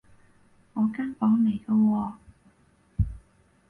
我間房嚟㗎喎